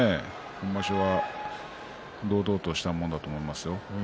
今場所は堂々としたものだと思いますよ。